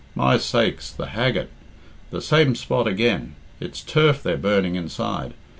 My sakes, the haggard! The same spot again! It's turf they're burning inside!